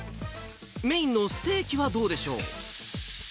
メインのステーキはどうでしょう。